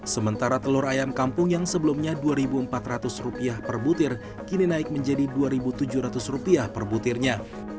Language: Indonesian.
sementara telur ayam kampung yang sebelumnya dua ribu empat ratus rupiah per butir kini naik menjadi dua ribu tujuh ratus rupiah per butirnya